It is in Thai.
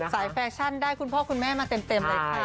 แฟชั่นได้คุณพ่อคุณแม่มาเต็มเลยค่ะ